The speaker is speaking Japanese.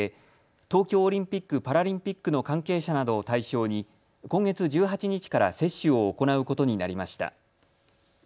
東京オリンピック・パラリンピックの関係者などを対象に今月１８日から接種を行うことになりました。